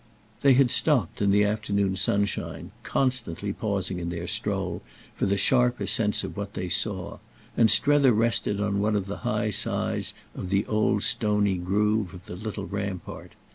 They had stopped, in the afternoon sunshine—constantly pausing, in their stroll, for the sharper sense of what they saw—and Strether rested on one of the high sides of the old stony groove of the little rampart.